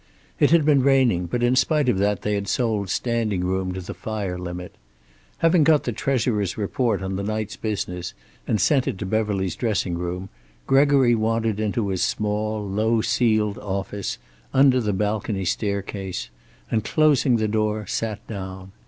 It had been raining, but in spite of that they had sold standing room to the fire limit. Having got the treasurer's report on the night's business and sent it to Beverly's dressing room, Gregory wandered into his small, low ceiled office under the balcony staircase, and closing the door sat down.